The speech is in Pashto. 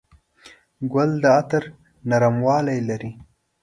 ګل د عطر نرموالی لري.